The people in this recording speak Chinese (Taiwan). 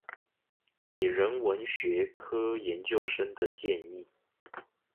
給人文學科研究生的建議